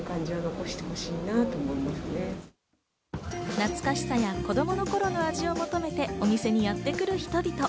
懐かしさや子供の頃の味を求めてお店にやってくる人々。